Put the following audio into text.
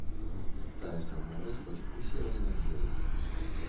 Тая самая роспач вісела і над ёю.